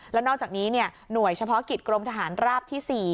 แล้วนอกจากนี้หน่วยเฉพาะกิจกรมทหารราบที่๔